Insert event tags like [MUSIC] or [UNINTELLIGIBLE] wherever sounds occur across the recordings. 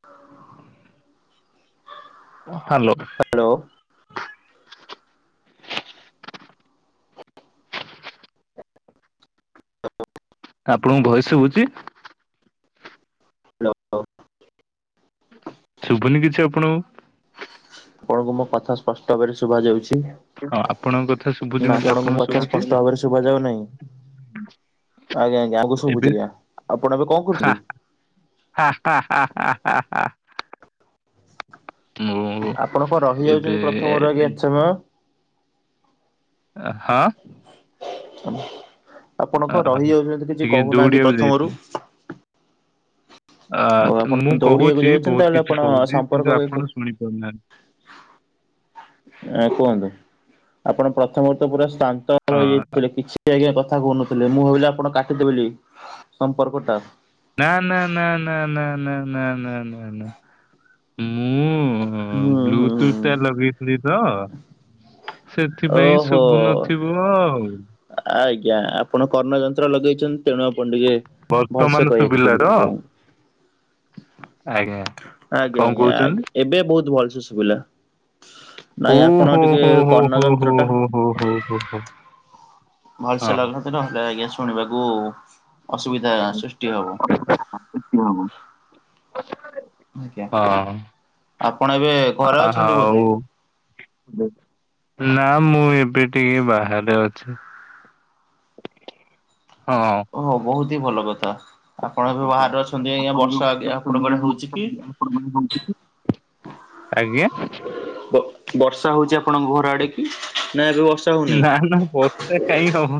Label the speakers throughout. Speaker 1: [UNINTELLIGIBLE]
Speaker 2: Hello.
Speaker 1: Hello.
Speaker 2: ଆପଣଙ୍କୁ voice ଶୁବୁଛି?
Speaker 1: [INAUDIBLE]
Speaker 2: ଶୁଭୁନି କିଛି ଆପଣଙ୍କୁ।
Speaker 1: ଆପଣଙ୍କୁ ମୋ କଥା ସ୍ପଷ୍ଟ ଭାବରେ ଶୁଭା ଯାଉଛି।
Speaker 2: ହଁ ଆପଣଙ୍କ କଥା ଶୁଭୁଛି
Speaker 1: ନା
Speaker 2: ମତେ
Speaker 1: ଆପଣଙ୍କୁ ମୋ କଥା
Speaker 2: ଶୁଭୁଛି
Speaker 1: ସ୍ପଷ୍ଟ ଭାବରେ ଶୁଭା ଯାଉ ନାହିଁ। ଆଜ୍ଞା ଆଜ୍ଞା ଆଗ ଶୁବୁଛି
Speaker 2: ଏବେ
Speaker 1: ଆଜ୍ଞା ଆପଣ ଏବେ କଣ କରୁଛନ୍ତି।
Speaker 2: ହା ହା ହା ହା ହା ହା। ମୁଁ
Speaker 1: ଆପଣ କଣ
Speaker 2: ଏବେ
Speaker 1: ରହିଯାଉଛନ୍ତି ପ୍ରଥମରୁ ଆଜ୍ଞା ଏତେ ସମୟ।
Speaker 2: ଏ ହ
Speaker 1: ଆପଣ କଣ ରହିଯାଉଛନ୍ତି କିଛି
Speaker 2: ଟିକେ
Speaker 1: କହୁନାହାନ୍ତି
Speaker 2: ଦୌଡିବାକୁ
Speaker 1: ପ୍ରଥମରୁ।
Speaker 2: ଯାଇଥିଲି
Speaker 1: ଓ
Speaker 2: ଅ
Speaker 1: ଆପଣ
Speaker 2: ମୁଁ
Speaker 1: ଦୌଡିବାକୁ
Speaker 2: କହୁଛି
Speaker 1: ଯାଉଛନ୍ତି
Speaker 2: ବହୁତ
Speaker 1: ତାହେଲେ
Speaker 2: କିଛି
Speaker 1: ଆପଣ
Speaker 2: କହୁଛି
Speaker 1: ସମ୍ପର୍କ
Speaker 2: କିନ୍ତୁ ଆପଣ ଶୁଣିପାରୁନାହାନ୍ତି।
Speaker 1: ଆ କୁହନ୍ତୁ ଆପଣ ପ୍ରଥମରୁ ତ ପୁରା ଶାନ୍ତ
Speaker 2: ହଁ
Speaker 1: ରହିଯାଇଥିଲେ କିଛି ସେ ଆଜ୍ଞା କଥା କହୁନଥିଲେ ମୁଁ ଭାବିଲି ଆପଣ କାଟିଦେ ବୋଲି ସମ୍ପର୍କ ଟା।
Speaker 2: ନା ନା ନା ନା ନା ନା ନା ନା ନା ନା ମୁଁ ହଁ
Speaker 1: ହୁଁ ହୁଁ
Speaker 2: ବ୍ଲୁଟୁଥ ଟା
Speaker 1: ହୁଁ
Speaker 2: ଲଗେଇଥିଲି ତ ସେଥିପାଇଁ ଶୁଭୁନଥି
Speaker 1: ଓହୋ
Speaker 2: ଥୁବ ଆଉ।
Speaker 1: ଆଜ୍ଞା ଆପଣ କର୍ଣ୍ଣ ଯନ୍ତ୍ର ଲଗେଇଚ ତେଣୁ ଆପଣ ଟିକେ ଭଲସେ
Speaker 2: ବର୍ତ୍ତମାନ
Speaker 1: କହିବାକୁ
Speaker 2: ଶୁଭିଲା
Speaker 1: ପଡିବ
Speaker 2: ତ
Speaker 1: ଆପଣଙ୍କୁ।
Speaker 2: ଆଜ୍ଞା
Speaker 1: ଆଜ୍ଞା
Speaker 2: କଣ
Speaker 1: ଆଜ୍ଞା
Speaker 2: କହୁଛନ୍ତି?
Speaker 1: ଆଜ୍ଞା। ଏବେ ବହୁତ ଭଲସ ଶୁଭିଲା
Speaker 2: ହୋ
Speaker 1: ନାଇଁ ଆପଣ ଟିକେ କର୍ଣ୍ଣ ଯନ୍ତ୍ର ଟା
Speaker 2: ଓହ ହୋ ହୋ ହୋ।
Speaker 1: ଭଲସେ ଲଗାନ୍ତୁ ନହଲେ ଆଜ୍ଞା ଶୁଣିବାକୁ
Speaker 2: [UNINTELLIGIBLE]
Speaker 1: ଅସୁବିଧା ସୃଷ୍ଟି ହବ ଆଜ୍ଞା।
Speaker 2: ହଁ
Speaker 1: ଆପଣ ଏବେ ଘରେ
Speaker 2: ଆ
Speaker 1: ଅଛନ୍ତି ବୋଧେ
Speaker 2: ହଉ ନା ମୁଁ ଏବେ ଟିକେ ବାହାରେ ଅଛି। ହଁ।
Speaker 1: ଓହୋ ବହୁତ ହି ଭଲ କଥା। ଆପଣ ଏବେ ବାହାରେ ଅଛନ୍ତି ଆଜ୍ଞା
Speaker 2: ଆପଣ ଯୋଉ
Speaker 1: ବର୍ଷା
Speaker 2: ବାହାରେ
Speaker 1: ଆଜ୍ଞା ଆପଣଙ୍କ
Speaker 2: ଅଛନ୍ତି
Speaker 1: ଆଡେ ହଉଛି
Speaker 2: ବର୍ଷା
Speaker 1: କି?
Speaker 2: ଆପଣଙ୍କ ଆଡେ ହଉଛି? ଆଜ୍ଞା।
Speaker 1: ବର୍ଷା ହଉଛି ଆପଣଙ୍କ ଘର ଆଡେ କି ନା ଏବେ ବର୍ଷା ହଉନାହିଁ?
Speaker 2: ନା ନା ବର୍ଷା କାଁଇ ହବ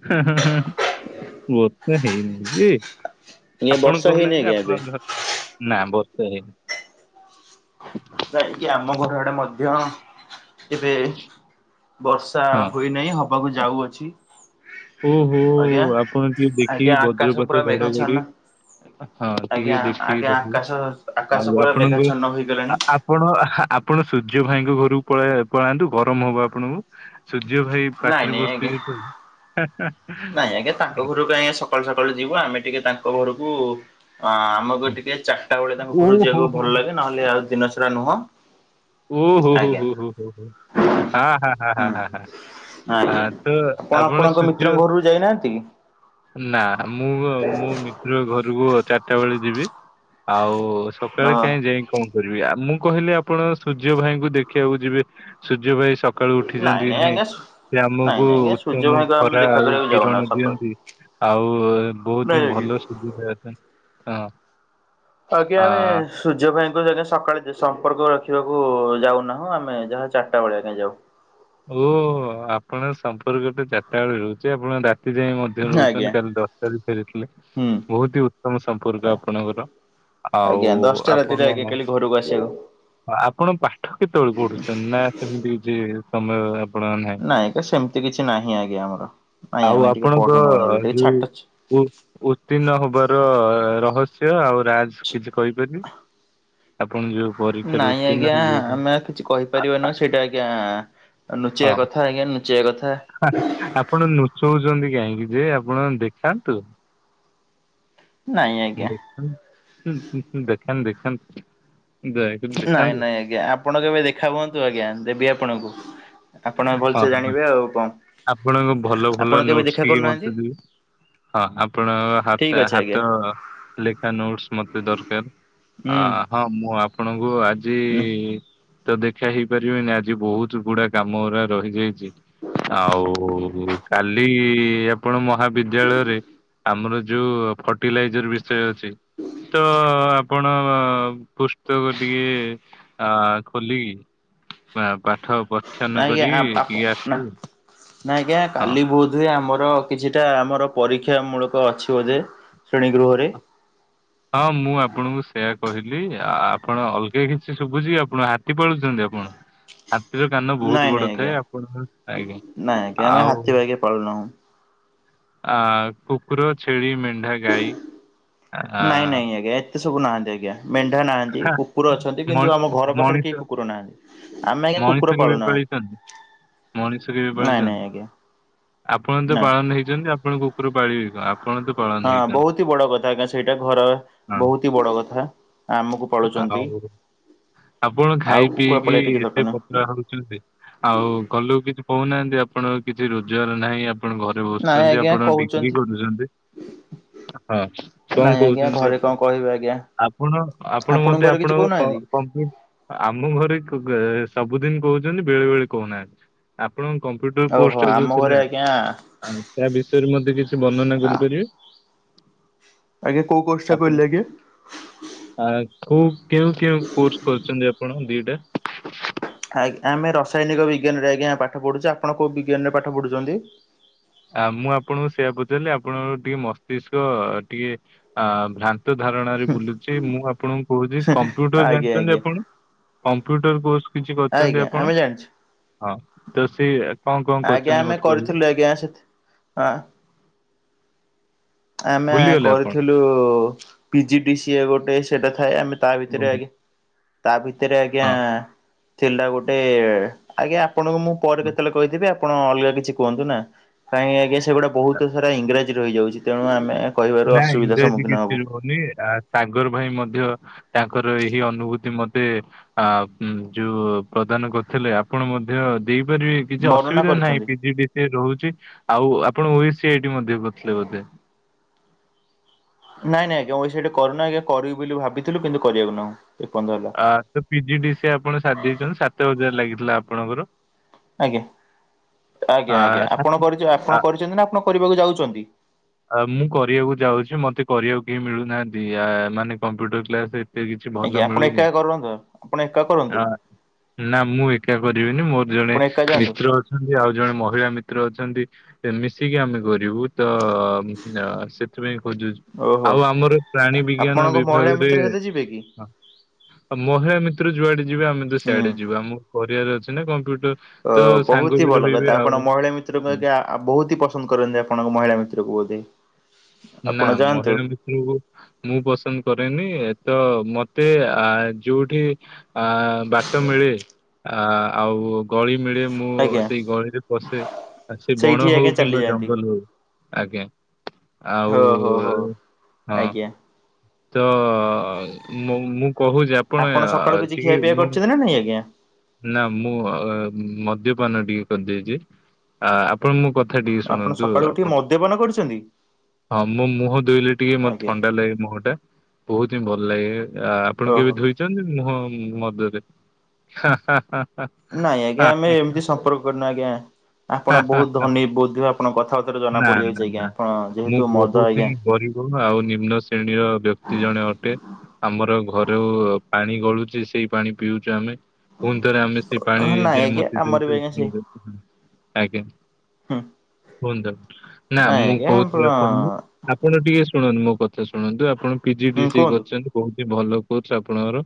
Speaker 2: [INAUDIBLE] ମତେ ହେଇନି ଯେ
Speaker 1: ଆଜ୍ଞା
Speaker 2: ଆପଣ
Speaker 1: ବର୍ଷା ହେଇନି
Speaker 2: କହୁନାହାନ୍ତି
Speaker 1: ଆଜ୍ଞା ଏବେ।
Speaker 2: ଆପଣ ଘ ନା ବର୍ଷା ହେଇନି।
Speaker 1: ନାହିଁ କି ଆମ ଘର ଆଡେ ମଧ୍ୟ ଏବେ ବର୍ଷା
Speaker 2: ହଁ।
Speaker 1: ହୋଇନାହିଁ ହବାକୁ ଯାଉଅଛି।
Speaker 2: ଓହୋ
Speaker 1: ଆଜ୍ଞା
Speaker 2: ଆପଣ ଟିକେ ଦେଖିକି
Speaker 1: ଆଜ୍ଞା ଆକାଶ
Speaker 2: ବଜ୍ରପାତ
Speaker 1: ପୁରା
Speaker 2: ଘଡଘଡି
Speaker 1: ମେଘାଚ୍ଛନ୍ନ।
Speaker 2: ହଁ
Speaker 1: ଆଜ୍ଞା
Speaker 2: ଟିକେ ଦେଖିକି
Speaker 1: ଆଜ୍ଞା
Speaker 2: ରହିବେ
Speaker 1: ଆକାଶ ଆକାଶ
Speaker 2: ଆଉ
Speaker 1: ପୁରା
Speaker 2: ଆପଣଙ୍କୁ
Speaker 1: ମେଘାଚ୍ଛନ୍ନ ହୋଇଗଲାଣି
Speaker 2: ଆ ଆ ଆପଣ ଆ ହା ଆପଣ ସୂର୍ଯ୍ୟ ଭାଇଙ୍କ ଘରକୁ ପଳାଏ ପଳାନ୍ତୁ ଗରମ ହବ ଆପଣଙ୍କୁ। ସୂର୍ଯ୍ୟ ଭାଇ
Speaker 1: ନାଇଁ
Speaker 2: ପାଖରେ
Speaker 1: ନାଇଁ ଆଜ୍ଞା।
Speaker 2: ବସିଥିବେ ତ ହାଁ ହଁ।
Speaker 1: ନାଇଁ ଆଜ୍ଞା ତାଙ୍କ ଘରକୁ କାଁଇ ଏ ସକାଳୁ ସକାଳୁ ଯିବୁ ଆମେ ଟିକେ ତାଙ୍କ ଘରକୁ ଅଁ ଆମକୁ ଟିକେ ଚାରଟା ବେଳେ ତାଙ୍କ
Speaker 2: ଓ
Speaker 1: ଘରକୁ
Speaker 2: ହୋ
Speaker 1: ଯିବାକୁ
Speaker 2: ହୋ
Speaker 1: ଭଲ
Speaker 2: ହୋ
Speaker 1: ଲାଗେ ନହେଲେ ଆଉ ଦିନ ସାରା ନୁହଁ।
Speaker 2: ଓ ହୋ ହୋ
Speaker 1: ଆଜ୍ଞା
Speaker 2: ହୋ ହୋ ହୋ ହୋ ଆ ହା ହା ହା
Speaker 1: ହୁଁ
Speaker 2: ହା ହା ଆ
Speaker 1: ଆଜ୍ଞା।
Speaker 2: ତ ଆପଣ
Speaker 1: ଆପଣଙ୍କ
Speaker 2: ସୂ ଯ୍ୟ
Speaker 1: ମିତ୍ରଙ୍କ ଘରକୁ ଯାଇନାହାନ୍ତି କି?
Speaker 2: ନା ମୁଁ ଅ ମୁଁ ମି ତ୍ର ଘରକୁ ଚାରିଟା ବେଳେ ଯିବି ଆଉ ସକାଳେ
Speaker 1: ହଁ
Speaker 2: କାହିଁ ଯାଇକି କଣ କରିବି ଆ ମୁଁ କହିଲି ଆପଣ ସୂର୍ଯ୍ୟ ଭାଇଙ୍କୁ ଦେଖିବାକୁ ଯିବେ ସୂର୍ଯ୍ୟ ଭାଇ ସକାଳୁ
Speaker 1: ନାଇଁ
Speaker 2: ଉଠିଛନ୍ତି କି
Speaker 1: ନାଇଁ
Speaker 2: ନାହିଁ
Speaker 1: ଆଜ୍ଞା।
Speaker 2: ସେ
Speaker 1: ନାଇଁ
Speaker 2: ଆମକୁ
Speaker 1: ନାଇଁ ଆଜ୍ଞା ସୂର୍ଯ୍ୟ
Speaker 2: ଉତ୍ତମ
Speaker 1: ଭାଇଙ୍କୁ ଆମେ
Speaker 2: ଖରା
Speaker 1: ଦେଖା
Speaker 2: ଆଉ
Speaker 1: କରିବାକୁ ଯାଉନା
Speaker 2: କିରଣ
Speaker 1: ସକାଳୁ
Speaker 2: ଦିଅନ୍ତି। ଆଉ ବହୁତ
Speaker 1: ନାଇଁ
Speaker 2: ହିଁ
Speaker 1: ଆଜ୍ଞା।
Speaker 2: ଭଲ ସୁବିଧା ତେଁ ହଁ।
Speaker 1: ଆଜ୍ଞା
Speaker 2: ଆ
Speaker 1: ଏଣେ ସୂର୍ଯ୍ୟ ଭାଇଙ୍କୁ ଆଜ୍ଞା ସକାଳେ ଯେ ସମ୍ପର୍କ ରଖିବାକୁ ଯାଉନାହୁଁ ଆମେ ଯାହା ଚାରିଟା ବେଳେ ଆଜ୍ଞା ଯାଉ।
Speaker 2: ଓହୋ ଆପଣ ସମ୍ପର୍କ ତ ଚାରିଟା ବେଳ ରହୁଛି ଆପଣ ରାତି ଯାଇ ମଧ୍ ମଧ୍ୟ
Speaker 1: ଆଜ୍ଞା
Speaker 2: ରହୁଛନ୍ତି କାଲି ଦଶଟା ରେ ଫେରିଥିଲେ
Speaker 1: ହୁଁ
Speaker 2: ବହୁତ ହି ଉତ୍ତମ ସମ୍ପର୍କ ଆପଣଙ୍କର ଆଉ
Speaker 1: ଆଜ୍ଞା ଦଶଟା ରାତିରେ
Speaker 2: ଆପଣ
Speaker 1: [UNINTELLIGIBLE]
Speaker 2: ଆପଣ ପାଠ କେତେବେଳେ ପଢ଼ୁଛନ୍ତି ନା ସେମିତି କିଛି ସମୟ ଆପଣ ନାହିଁ
Speaker 1: ନାଇଁ ଆଜ୍ଞା ସେମତି କିଛି ନାହିଁ ଆଜ୍ଞା ଆମର ନାଇଁ
Speaker 2: ଆଉ
Speaker 1: ଆମେ ଟିକେ
Speaker 2: ଆପଣଙ୍କ
Speaker 1: ପଢ଼ୁନ ଏବେ ଟିକେ
Speaker 2: ଯୋଉ
Speaker 1: ଛାଟୁଚ
Speaker 2: ଉ ଉତ୍ତୀର୍ଣ୍ଣ ହବାର ରହସ୍ୟ ଆଉ ରାଜ କିଛି କହିପାରିବେ ଆପଣ ଯୋଉ ପରୀକ୍ଷାରେ
Speaker 1: ନାଇଁ
Speaker 2: ଉତ୍ତୀର୍ଣ୍ଣ
Speaker 1: ଆଜ୍ଞା
Speaker 2: ହେଇଯାଉଛନ୍ତି।
Speaker 1: ଆମେ କିଛି କହିପାରିବୁନୁ ସେଇଟା ଆଜ୍ଞା
Speaker 2: ହଁ
Speaker 1: ନୁଚେଇଆ କଥା ଆଜ୍ଞା ନୁଚେଇଆ କଥା।
Speaker 2: ଆପଣ ନୁଚଉଛନ୍ତି କାହିଁକି ଯେ ଆପଣ ଦେଖାନ୍ତୁ।
Speaker 1: ନାଇଁ ଆଜ୍ଞା।
Speaker 2: ଦେଖ ଦେଖାନ୍ତୁ ଦେଖାନ୍ତୁ। ଦୟାକରି
Speaker 1: ନାଇଁ
Speaker 2: ଦେଖାନ୍ତୁ
Speaker 1: ନାଇଁ ଆଜ୍ଞା ଆପଣ କେବେ ଦେଖା ହୁଅନ୍ତୁ ଆଜ୍ଞା ଦେବି ଆପଣଙ୍କୁ ଆପଣ
Speaker 2: ହଁ
Speaker 1: ଭଲସେ ଜାଣିବେ ଆଉ କଣ
Speaker 2: ଆପଣଙ୍କ ଭଲ
Speaker 1: ଆପଣ
Speaker 2: ଭଲ
Speaker 1: କେବେ
Speaker 2: ନୋଟ୍ସ
Speaker 1: ଦେଖା
Speaker 2: ଟିକେ
Speaker 1: କରୁନାହାନ୍ତି
Speaker 2: ମତେ ଦେବେ ହଁ ଆପଣଙ୍କ ହାତ୍
Speaker 1: ଠିକ
Speaker 2: ଟା
Speaker 1: ଅଛି ଆଜ୍ଞା।
Speaker 2: ହାତ ଲେଖା ନୋଟସ୍ ମତେ ଦରକାର। ଆ
Speaker 1: ହୁଁ।
Speaker 2: ହଁ ମୁଁ ଆପଣଙ୍କୁ ଆଜି ତ ଦେଖା ହେଇପାରିବିନି ଆଜି ବହୁତ ଗୁଡ଼ାକ କାମ ଗୁରା ରହିଯାଇଛି ଆଉ କାଲି ଆପଣ ମହାବିଦ୍ୟାଳୟରେ ଆମର ଯୋଉ ଫର୍ଟିଲାଇଜର ବିଷୟ ଅଛି ତ ଆପଣ ପୁସ୍ତକ ଟିକେ ଆ ଖୋଲିକି ପା ପାଠ ପ
Speaker 1: ଆଜ୍ଞା ଆପ୍ ଆପ ନା ନାଁ ଆଜ୍ଞା
Speaker 2: ହଁ।
Speaker 1: କାଲି ବୋଧ୍ ହୁଏ ଆମର କିଛିଟା ଆମର ପରୀକ୍ଷା ମୂଳକ ଅଛିି ବୋଧେ ଶ୍ରେଣୀ ଗୃହରେ
Speaker 2: ହଁ। ହଁ ମୁଁ ଆପଣଙ୍କୁ ସେୟା କହିଲି ଆପଣ ଅଲଗା କିଛି ଶୁଭୁଛି କି, ଆପଣ ହାତୀ ପାଳୁଛନ୍ତି ଆପଣ। ହାତୀର କାନ
Speaker 1: ନାଇଁ
Speaker 2: ବହୁତ
Speaker 1: ନାଇଁ
Speaker 2: ବଡ଼
Speaker 1: ଆଜ୍ଞା
Speaker 2: ଥାଏ, ଆପଣଙ୍କ ଆଜ୍ଞା
Speaker 1: ନାଇଁ ଆଜ୍ଞା ଆମେ
Speaker 2: ଆଉ
Speaker 1: ହାତୀ ବାଘ ପାଳୁନାହୁଁ।
Speaker 2: ଆ କୁକୁର ଛେଳି ମେନ୍
Speaker 1: ନାଇଁ ନାଇଁ ଆଜ୍ଞା ଏତେ ସବୁ ନାହାନ୍ତି ଆଜ୍ଞା ମେଣ୍ଢା ନାହା ଏଇ
Speaker 2: ହା
Speaker 1: କୁକୁର ଅଛନ୍ତି।
Speaker 2: ମଣି
Speaker 1: କିନ୍ତୁ ଆମ ଘର ପାଖରେ
Speaker 2: ମଣିଷ
Speaker 1: କେହି କୁକୁର ନାହାନ୍ତି ଆମେ ଆଜ୍ଞା
Speaker 2: ମଣିଷ
Speaker 1: କୁକୁର
Speaker 2: କେବେ
Speaker 1: ପାଳୁନା।
Speaker 2: ପାଳିଛନ୍ତି ମଣିଷ କେବେ
Speaker 1: ନାଇଁ ନାଇଁ
Speaker 2: ପାଳିଛନ୍ତି,
Speaker 1: ଆଜ୍ଞା
Speaker 2: ଆପଣ ତ
Speaker 1: ନା
Speaker 2: ପାଳନ ହେଇଛନ୍ତି ଆ ଆପଣ କୁକୁର ପାଳିବେ କ ଆପଣ ତ ପାଳନ
Speaker 1: ହଁ
Speaker 2: ହେଇଛନ୍ତି
Speaker 1: ବହୁତି ବଡ଼ କଥା ଆଜ୍ଞା ସେଇଟା ଘର
Speaker 2: ହଁ।
Speaker 1: ବହୁତ ହି ବଡ଼ କଥା ଆମକୁ ପାଳୁଛନ୍ତି
Speaker 2: ଆଉ ଆପଣ
Speaker 1: ଆଉ
Speaker 2: ଖାଇ
Speaker 1: କୁକୁର
Speaker 2: ପିଇକି
Speaker 1: ପାଳିବା କିଛି ଦରକାର
Speaker 2: ଏତେ
Speaker 1: ନାହିଁ
Speaker 2: ପତଳା ହଉଛନ୍ତି। ଆଉ ଘର ଲୋକ କିଛି କହୁନାହାନ୍ତି, ଆପଣ କିଛି ରୋଜଗାର ନାହିଁ ଆ ଆପଣ ଘରେ
Speaker 1: ନାଇଁ
Speaker 2: ବସୁଛନ୍ତି
Speaker 1: ଆଜ୍ଞା
Speaker 2: ଆପଣ ଡିଗ୍ରୀ
Speaker 1: କହୁଛନ୍ତି।
Speaker 2: କରୁଛନ୍ତି। ହଁ କଣ
Speaker 1: ନାଇଁ ଆଜ୍ଞା
Speaker 2: କହୁଛନ୍ତି
Speaker 1: ଘରେ
Speaker 2: ଆକୁ
Speaker 1: କଣ କହିବେ ଆଜ୍ଞା
Speaker 2: ଆପଣ ଆପଣ
Speaker 1: ଆପଣଙ୍କ
Speaker 2: ମତେ
Speaker 1: ଘରେ
Speaker 2: ଆପଣ
Speaker 1: କିଛି
Speaker 2: କ କ
Speaker 1: କହୁନାହାନ୍ତି?
Speaker 2: କମ୍ପେନ୍ ଆମ ଘରେ ଖ ଗ ସବୁଦିନ କହୁଛନ୍ତି ବେଳେ ବେଳେ କହୁନାହାନ୍ତି। ଆପଣଙ୍କ କମ୍ପ୍ୟୁଟର କୋର୍ସ
Speaker 1: ଓହୋ
Speaker 2: ଟା
Speaker 1: ଆମ
Speaker 2: ଯୋଉ ଥିଲା
Speaker 1: ଘରେ ଆଜ୍ଞା
Speaker 2: ଆ ତା ବିଷୟରେ ମତେ କିଛି ବର୍ଣ୍ଣନା କରିପାରିବେ?
Speaker 1: ଆଜ୍ଞା କୋଉ କୋର୍ସ ଟା
Speaker 2: ଆପଣ
Speaker 1: କହିଲେ ଆଜ୍ଞା?
Speaker 2: ଆ କୋଉ କେଉଁ କେଉଁ କୋର୍ସ କରିଛନ୍ତି ଆପଣ ଦିଟା?
Speaker 1: ଆଜ୍ଞ ଆମେ ରସାୟନିକ ବିଜ୍ଞାନରେ ଆଜ୍ଞା ପାଠ ପଢ଼ୁଚୁ, ଆପଣ କୋଉ ବିଜ୍ଞାନରେ ପାଠ ପଢ଼ୁଛନ୍ତି?
Speaker 2: ଆ ମୁଁ ଆପଣଙ୍କୁ ସେଇଆା ପଚାରିଲି, ଆପଣଙ୍କର ଟିକେ ମସ୍ତିଷ୍କ ଟିକେ ଅ ଭ୍ରା ନ୍ତ ଧାରଣାରେ ବୁଲୁଛି ମୁଁ ଆପଣଙ୍କୁ କହୁଛି କମ୍ପ୍ୟୁଟର
Speaker 1: ଆଜ୍ଞା
Speaker 2: ଜାଣିଛନ୍ତି
Speaker 1: ଆଜ୍ଞା
Speaker 2: ଆପଣ? କମ୍ପ୍ୟୁଟର କୋର୍ସ କିଛି କରିଛନ୍ତି
Speaker 1: ଆଜ୍ଞା
Speaker 2: ଆପଣ
Speaker 1: ଆମେ ଜାଣିଛୁ
Speaker 2: ହଁ ତ ସିଏ
Speaker 1: ଆଜ୍ଞା ଆମେ କରିଥିଲୁ ଆଜ୍ଞା ସେଥ ହଁ। ଆମେ
Speaker 2: ଭୁଲିଗଲେ ଆପଣ?
Speaker 1: କରିଥିଲୁ P G D C A ଗୋଟେ ସେଟା ଥାଏ, ଆମେ ତା ଭିତରେ
Speaker 2: ଓହୋ
Speaker 1: ଆଜ୍ଞା ତା ଭିତେରେ ଆଜ୍ଞା
Speaker 2: ହଁ
Speaker 1: ଥିଲା ଗୋଟେ ଆଜ୍ଞା ଆପଣଙ୍କୁ ମୁଁ ପରେ
Speaker 2: ହଁ
Speaker 1: କେତେବେଳେ କହିଦେବି, ଆପଣ ଅଲଗା କିଛି କୁହନ୍ତୁ ନା, କାହିଁକି ଆଜ୍ଞା ସେ ସେଗୁଡ଼ା ବହୁତ ସାରା ଇଂଙ୍ଗ୍ରାଜି ରହିଯାଉଛି, ତେଣୁ ଆମେ କହିବାରୁ
Speaker 2: ନାଇ
Speaker 1: ଅସୁବିଧା
Speaker 2: ଇଂରାଜୀ
Speaker 1: ସମ୍ମୁଖୀନ
Speaker 2: କିଛି
Speaker 1: ହବୁ।
Speaker 2: ରହୁନି, ଆ ସାଗର ଭାଇ ମଧ୍ୟ ତାଙ୍କର ଏହି ଅନୁଭୂତି ମତେ ଆ ଯୋଉ ପ୍ରଦାନ କରିଥିଲେ, ଆପଣ ମଧ୍ୟ ଦେଇପାରିବେ କିଛି
Speaker 1: ବର୍ଣ୍ଣନା
Speaker 2: ଅସୁବିଧା ନାହିଁ
Speaker 1: କରିଛନ୍ତି।
Speaker 2: P G D C A ରହୁଛି, ଆଉ ଆପଣ ଓ ସି ଆଇ ଟି ମଧ୍ୟ କରିଥିଲେ ବୋଧେ?
Speaker 1: ନାଇଁ ନାଇଁ ଆଜ୍ଞା ଓ ଏ ସି ଟି କରୁନା ଆଜ୍ଞା କରିବି ବୋଲି ଭାବଥିଲୁ କିନ୍ତୁ କରିବାଉ ନାହୁଁ, ଏ ପର୍ୟ୍ୟନ୍ତ ହେଲା।
Speaker 2: ଆ ତ P G D C A ଆପଣ ସାରି ଦେଇଛନ୍ତି, ସାତ ହଜାର ଲାଗିଥିଲା ଆପଣଙ୍କର।
Speaker 1: ଆଜ୍ଞା,
Speaker 2: ଆ
Speaker 1: ଆଜ୍ଞା ଆଜ୍ଞା ଆପଣ
Speaker 2: ସାତ-
Speaker 1: କରି
Speaker 2: ଆ
Speaker 1: ଆପଣ କରିଛନ୍ତି ନା ଆପଣ କରିବାକୁ ଯାଉଛନ୍ତି?
Speaker 2: ଆ ମୁଁ କରିବାକୁ ଯାଉଛି, ମତେ କରିବାକୁ କେହି ମିଳୁନାହାନ୍ତି ଆ ମାନେ କମ୍ପ୍ୟୁଟର କ୍ଲାସ ଏତେ କିଛି ଭଲ ମିଳୁନି।
Speaker 1: ଆଣ ଏକା କର
Speaker 2: ଆ ନା ମୁଁ ଏକା କରିବିନି ମୋର ଜଣେ
Speaker 1: ଆପଣ ଏକା ଯାଆନ୍ତୁ।
Speaker 2: ମିତ୍ର ଅଛ ନ୍ତି, ଆଉ ଜଣେ ମହିଳା ମିତ୍ର ଅଛନ୍ତି, ମିଶିକି ଆମେ କରିବୁ ତ ଅ ସେଥିପାଇଁ ଖୋଜୁଚୁ।
Speaker 1: ଓହୋ
Speaker 2: ଆଉ ଆମର ପ୍ରାଣୀ ବିଜ୍ଞାନ
Speaker 1: ଆପଣଙ୍କ ମହିଳା
Speaker 2: ବିଭାଗରେ
Speaker 1: ମିତ୍ର ସହିତ ଯିବେ କି?
Speaker 2: ହ ଆଉ ମହିଳା ମିତ୍ର ଯୁଆଡେ ଯିବେ ଆମେ ତ
Speaker 1: ହୁଁ।
Speaker 2: ସିଆଡେ ଯିବୁ, ଆମକୁ କରିବାରେ ଅଛି ନା କମ୍ପ୍ୟୁଟର।
Speaker 1: ଅ
Speaker 2: ତ ସାଙ୍ଗ
Speaker 1: ବହୁତ ହି
Speaker 2: ବି
Speaker 1: ଭଲ
Speaker 2: ରହିବେ
Speaker 1: କଥା ଆପଣ
Speaker 2: ଆଉ
Speaker 1: ମହିଳା ମି ତ୍ର କୁ ଆଜ୍ଞା ବହୁତ ହି ପସନ୍ଦ କରନ୍ତି ଆପଣଙ୍କ ମହିଳା ମିତ୍ରକୁ ବୋଧେ।
Speaker 2: ନା
Speaker 1: ଆପଣ ଯାଆନ୍ତୁ
Speaker 2: ମହିଳା ମି ତ୍ରକୁ ମୁଁ ପସନ୍ଦ କରେନି ତ ମତେ ଆ ଯୋଉଠି ଆ ବାଟ ମିଳେ ଆ ଆଉ ଗଳି ମିଳେ ମୁଁ
Speaker 1: ଆଜ୍ଞା
Speaker 2: ସେଇ ଗଳିରେ ପଶେ, ଆ ସେ
Speaker 1: ସେଇଠି
Speaker 2: ବଣ
Speaker 1: ଆଜ୍ଞା
Speaker 2: ହଉ କିମ୍ବା
Speaker 1: ଚାଲିଯାଆନ୍ତି।
Speaker 2: ଜଙ୍ଗଲ ହଉ। ଆଜ୍ଞା ଆଉ
Speaker 1: ହୋ ହୋ ହୋ
Speaker 2: ହଁ
Speaker 1: ଆଜ୍ଞା।
Speaker 2: ତ ମୁଁ- ମୁଁ କହୁଛି ଆ
Speaker 1: ଆପଣ ସକାଳୁ କିଛି
Speaker 2: ଟିକେ
Speaker 1: ଖିଆ ପିଆ
Speaker 2: ମୁଁ
Speaker 1: କରିଛନ୍ତି ନା ନାଇଁ ଆଜ୍ଞା?
Speaker 2: ନା ମୁଁ ମଦ୍ୟପାନ ଟିକେ କରିଦେଇଛି। ଆ ଆପଣ ମୋ କଥା ଟିକେ
Speaker 1: ଆପଣ
Speaker 2: ଶୁଣନ୍ତୁ
Speaker 1: ସକାଳୁ ଉଠି
Speaker 2: ଆପଣ
Speaker 1: ମଦ୍ୟପାନ କରିଛନ୍ତି?
Speaker 2: ହଁ ମୋ ମୁହଁ ଧୋଇଲେ ଟିକେ ମତେ
Speaker 1: ଆଜ୍ଞା
Speaker 2: ଥଣ୍ଡା ଲାଗେ ମୁହଁ ଟା। ବହୁତ ହିଁ ଭଲ ଲାଗେ ଆ ଆପଣ
Speaker 1: ଓହୋ
Speaker 2: କେବେ ଧୋଇଛନ୍ତି ମୁହଁ ମଦରେ? ହଁ ହଁ ହଁ।
Speaker 1: ନାଇଁ ଆଜ୍ଞା ଆମେ ଏମିତି ସମ୍ପର୍କ କରନୁ ଆଜ୍ଞା। ଆପଣ
Speaker 2: ହାଁ ହାଁ ହାଁ ହାଁ ହାଁ ହାଁ
Speaker 1: ବହୁତ ଧନୀ ବୋଧେ ଆପଣ କଥାବାର୍ତ୍ତା ରୁ ଜଣା
Speaker 2: ନା ନା
Speaker 1: ପଡିଯାଉଛି ଆଜ୍ଞା,
Speaker 2: ନା
Speaker 1: ଆପଣ
Speaker 2: ମୁଁ
Speaker 1: ଯେହେତୁ ମଦ
Speaker 2: ବହୁତ
Speaker 1: ଆଜ୍ଞା।
Speaker 2: ହିଁ ଗରିବ ଆଉ ନିମ୍ନ ଶ୍ରେଣୀର ବ୍ୟକ୍ତି ଜଣେ ଅଟେ। ଆମର ଘରୁ ପାଣି ଗଳୁଛି ସେଇ ପାଣି ପିଉଛୁ ଆମେ। ପୁଣି ଥରେ ଆମେ ସେ ପାଣି
Speaker 1: ନାଇଁ
Speaker 2: ଯାଇ
Speaker 1: ଆଜ୍ଞା
Speaker 2: ମୂତୀ
Speaker 1: ଆମର ବି
Speaker 2: ଦଉଚୁ
Speaker 1: ଆଜ୍ଞା ସେଇ
Speaker 2: ଆଜ୍ଞା।
Speaker 1: ହୁଁ
Speaker 2: କୁହନ୍ତୁ, ନା
Speaker 1: ନାଇଁ
Speaker 2: ମୁଁ
Speaker 1: ଆଜ୍ଞା
Speaker 2: କହୁଥିଲି
Speaker 1: ଆପଣ
Speaker 2: ଆପଣଙ୍କୁ ଆପଣ ଟିକେ ଶୁଣନ୍ତୁ ମୋ କଥା ଶୁଣନ୍ତୁ, ଆପଣ ପି ଜି ଡି
Speaker 1: ହୁଁ
Speaker 2: ସି ଏ
Speaker 1: କୁହନ୍ତୁ
Speaker 2: କରିଛନ୍ତି। ବହୁତ ହି ଭଲ କୋର୍ସ ଆପଣଙ୍କର,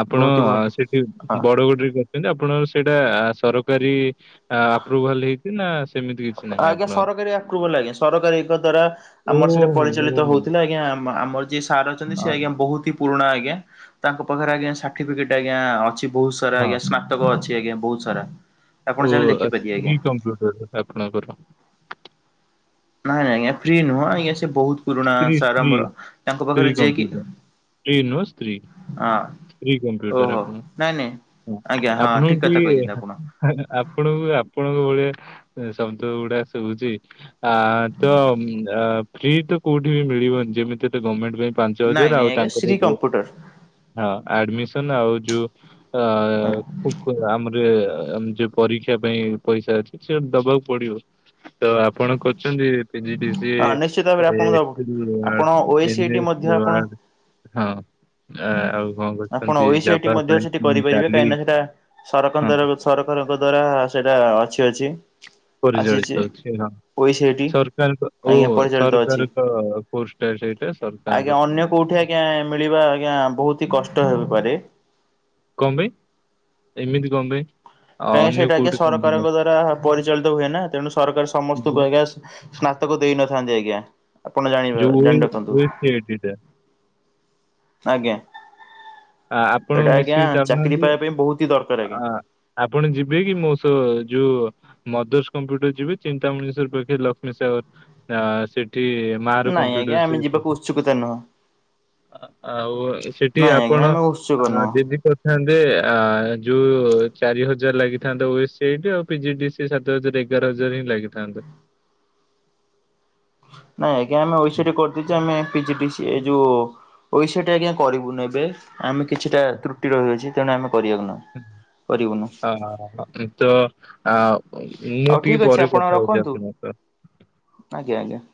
Speaker 2: ଆପଣ
Speaker 1: ବହୁତ ହି ଭଲ
Speaker 2: ସେଠି
Speaker 1: ହଁ।
Speaker 2: ଛନ୍ତି ଆପଣଙ୍କର ସେଇଟା ସରକାରୀ ଆପ୍ରୁଭାଲ ହେଇଛି, ନା ସେମିତି କିଛି? ନାହିଁ
Speaker 1: ଆଜ୍ଞା
Speaker 2: ଆପଣଙ୍କର?
Speaker 1: ସରକାରୀ ଆପରୁଭାଲ ଆଜ୍ଞା, ସରକାରୀଙ୍କ ଦ୍ଵାରା ଆମର ସେଠା
Speaker 2: ଓହୋ
Speaker 1: ପରିଚାଳିତ
Speaker 2: ଓହୋ
Speaker 1: ହଉଥିଲା ଆଜ୍ଞା, ଆମର ଯିଏ ସାର୍ ଅଛନ୍ତି
Speaker 2: ଆ,
Speaker 1: ସ ଆଜ୍ଞା ବହୁତ ହି ପୁରୁଣା ଆଜ୍ଞା, ତାଙ୍କ ପାଖରେ ଆଜ୍ଞା ସାର୍ଟିଫିକେଟ୍ ଆଜ୍ଞା ଅଛି ବହୁତ ସାରା
Speaker 2: ହଁ
Speaker 1: ଆଜ୍ଞା ସ୍ନା ସ୍ନାତକ ଅଛି ଆଜ୍ଞା ବହୁତ ସାରା। ଆପଣ ଚାହିଁଲେ
Speaker 2: ଓ
Speaker 1: ଦେଖିପାରିବେ ଆଜ୍ଞା
Speaker 2: କି କମ୍ପ୍ୟୁଟର ଆପଣଙ୍କର?
Speaker 1: ନାଇଁ ଆଜ୍ଞା ଫ୍ରି ନୁହଁ ଆଜ୍ଞା ସେ ବହୁତ ପୁରୁଣା
Speaker 2: ସ୍ତ୍ରୀ
Speaker 1: ସାର
Speaker 2: ସ୍ତ୍ରୀ
Speaker 1: ଆମର, ତାଙ୍କ ପାଖରେ ଯାଇକି
Speaker 2: ଫ୍ରି ନୁହଁ ସ୍ତ୍ରୀ,
Speaker 1: ହଁ
Speaker 2: ସ୍ତ୍ରୀ କମ୍ପ୍ୟୁଟର
Speaker 1: ଓହୋ
Speaker 2: ଆପଣ?
Speaker 1: ନାଇଁ ନାଇଁ
Speaker 2: ହଁ
Speaker 1: ଆଜ୍ଞା ହଁ
Speaker 2: ଆପଣ
Speaker 1: ଠିକ
Speaker 2: କି
Speaker 1: କଥା କହିଛନ୍ତି ଆପଣ।
Speaker 2: ଆପଣଙ୍କୁ ଆପଣଙ୍କ ଭଳିଆ ଶବ୍ଦ ଗୁଡା ଶୁଭୁଛି। ଆ ତ ଫ୍ରି ତ କୋଉଠି ବି ମିଳିବନି ଯେମିତି ଗମେଣ୍ଟ ପାଇଁ ପାଞ୍ଚ
Speaker 1: ନାଇଁ
Speaker 2: ହଜାର
Speaker 1: ନାଇଁ
Speaker 2: ଆଉ
Speaker 1: ଆଜ୍ଞା
Speaker 2: ତାଙ୍କରବି
Speaker 1: ଶ୍ରୀ
Speaker 2: ଯିଏ
Speaker 1: କମ୍ପ୍ୟୁଟର
Speaker 2: ହଁ ଆଡ଼ମିଶନ ଆଉ ଯୋଉ ଅ
Speaker 1: ଆଜ୍ଞା
Speaker 2: ଫୁ [UNINTELLIGIBLE] ଆମର ଯଉ ପରୀକ୍ଷା ପାଇଁ ପଇସା ଆସିଚି ଦବାକୁ ପଡ଼ିବ। ତ ଆପଣ କରୁଚନ୍ତି ପିଜିଡିସି?
Speaker 1: ହଁ ନିଶ୍ଚିତ ଭାବରେ ଆପଣଙ୍କ
Speaker 2: [UNINTELLIGIBLE]
Speaker 1: ଆପଣ ଓ ଏ ସି ଆଇ ଟି ମଧ୍ୟ ଆପଣ
Speaker 2: ହଁ। ଆ ଆଉ କଣ
Speaker 1: ଆପଣ
Speaker 2: କରୁଚନ୍ତି
Speaker 1: ଓଇସିଆଇଟି
Speaker 2: ଯପା
Speaker 1: ମଧ୍ୟ ସେଠି
Speaker 2: ପାଇଁହି
Speaker 1: କରିପାରିବେ
Speaker 2: ଡାଲି
Speaker 1: କାହିଁକିନା ସେଟା
Speaker 2: ହଁ?
Speaker 1: ସରକାରଙ୍କ ଦ୍ଵାରା ସରକାରଙ୍କ ଦ୍ଵାରା ସେଇଟା ଅଛି ଅଛି। ଆସିଛି
Speaker 2: ପରିଚଳିତ ଅଛି ହଁ?
Speaker 1: ଓଇସିଆଇଟି
Speaker 2: ସରକାରଙ୍କ ଓ
Speaker 1: ଆଜ୍ଞା ପରିଚାଳିତ ଅଛି।
Speaker 2: ସରକାରଙ୍କ କୋର୍ସ ସେଇଟା
Speaker 1: ଆଜ୍ଞା
Speaker 2: ସରକାରଙ୍କର
Speaker 1: ଅନ୍ୟ କୋଉଠି ଆଜ୍ଞା ମିଳିବା ଆଜ୍ଞା ବହୁତିହି କଷ୍ଟ ହେଇପାରେ?
Speaker 2: କଣ ପାଇଁ ଏମିତି କଣ ପାଇଁ? ଆ,
Speaker 1: କାହିଁକି
Speaker 2: ଅନ୍ୟ
Speaker 1: ସେଇଟା ଆଜ୍ଞା
Speaker 2: କୋଉଠି କଣ ପାଇଁ
Speaker 1: ସରକାରଙ୍କ ଦ୍ଵାରା ପରିଚାଳିତ ହୁଏନା ତେଣୁ ସରକାର
Speaker 2: ଆସୁଛି?
Speaker 1: ସମସ୍ତଙ୍କୁ ଆଜ୍ଞା ସ୍ନାତକ ଦେଇନଥାନ୍ତି ଆଜ୍ଞା ଆପଣ ଜାଣିବ
Speaker 2: ଯୋଉ ଏ
Speaker 1: ଜାଣି ରଖନ୍ତୁ।
Speaker 2: [UNINTELLIGIBLE]
Speaker 1: ଆଜ୍ଞା
Speaker 2: ଆ, ଆପଣ
Speaker 1: ସେଇଟା ଆଜ୍ଞା
Speaker 2: ମିଶିକି
Speaker 1: ଚାକିରି
Speaker 2: ଚାଲୁନାହାନ୍ତି
Speaker 1: ପାଇବା ପାଇଁ ବହୁତହି ଦରକାର୍
Speaker 2: ଆ
Speaker 1: ଆଜ୍ଞା।
Speaker 2: ଆପଣ ଯିବେକି ମୋସହ ଯୋଉ ମଦସ୍ କମ୍ପ୍ୟୁଟର ଯିବେ ଚିନ୍ତାମଣେଶ୍ଵର ପକ୍ଷେ ଲକ୍ଷ୍ମୀସାଗର ଆଁ ସେଠି ମାର
Speaker 1: ନାଇଁ
Speaker 2: କମ୍ପୁଟର
Speaker 1: ଆଜ୍ଞା ଆମେ ଯିବାକୁ
Speaker 2: [UNINTELLIGIBLE]
Speaker 1: ଉତ୍ସୁକତା ନୁହଁ
Speaker 2: ଆଉ ସେଠି
Speaker 1: ନାଇଁ ଆଜ୍ଞା
Speaker 2: ଆପଣ
Speaker 1: ଆମେ ଉତ୍ସୁକ
Speaker 2: ଆଁ
Speaker 1: ନୁହଁ।
Speaker 2: ଆଜି କରିଥାନ୍ତେ ଆଃ ଯୋଉ ଚାରି ହଜାର ଲାଗିଥାନ୍ତା ଓ ସିଟ୍ ଆଉ ପିଜିଡିସ୍ ସେ ସାତ ହଜାରେ ଏଗାର ହଜାରେହିଁ ଲାଗିଥାନ୍ତତା।
Speaker 1: ନାଇଁ ଆଜ୍ଞା ଆମେ
Speaker 2: ହୁଁ
Speaker 1: ଓସିରେ କରିଦେଇଚୁ ଆମେ ପିଜି ପିସ୍ ଏଯୋଉ ଓ ସେଟ୍ ଆଜ୍ଞା କରିବୁନୁ ଏବେ ଆମେ କିଛିଟା ତ୍ରୁଟି ରହିଅଛି ତେଣୁ ଆମେ କରିବାକୁ ନାହୁଁ। କରିବୁନୁ।
Speaker 2: ହଁ ହଁ ହଁ କିନ୍ତୁ ଆଁ
Speaker 1: ଆଉ
Speaker 2: ମୁଟିକେ
Speaker 1: ଠିକ୍ ଅଛି
Speaker 2: ପରେ
Speaker 1: ଆପଣ
Speaker 2: କଥା ହଉଚି
Speaker 1: ରଖନ୍ତୁ
Speaker 2: ଆପଣଙ୍କ ସହ।
Speaker 1: ଆଜ୍ଞା ଆଜ୍ଞା।